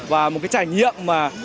và một trải nghiệm mà